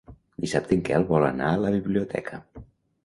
Dissabte en Quel vol anar a la biblioteca.